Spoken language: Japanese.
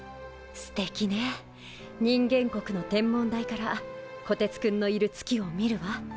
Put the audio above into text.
人間国の天文台からこてつくんのいる月を見るわ。